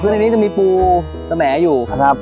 อ๋อคือนี้จะมีปูเสมออยู่โอเคครับ